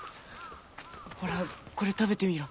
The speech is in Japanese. ほらこれ食べてみろ。